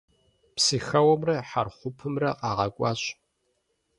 Псыхэуэмрэ хьэрэхьупымрэ къагъэкӀуащ.